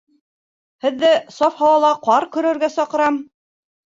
Һеҙҙе саф һауала ҡар көрәргә саҡырам.